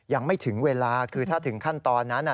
ยังไม่ถึงเวลาคือถ้าถึงขั้นตอนนั้น